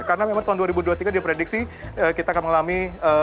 karena memang tahun dua ribu dua puluh tiga di prediksi kita akan mengalami